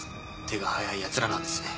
手が早い奴らなんですね。